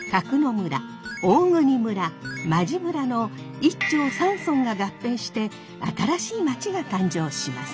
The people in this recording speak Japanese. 村大国村馬路村の一町三村が合併して新しい町が誕生します。